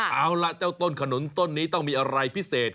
เอาล่ะเจ้าต้นขนุนต้นนี้ต้องมีอะไรพิเศษ